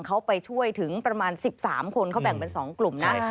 เขาไปช่วยถึงประมาณ๑๓คนเขาแบ่งเป็น๒กลุ่มนะ